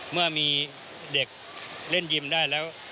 เมื่อมีเด็กเล่นยิมได้แล้ว